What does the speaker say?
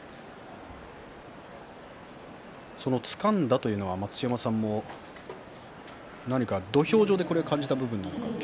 その、つかんだというのは待乳山さんも何か土俵上で感じたんですか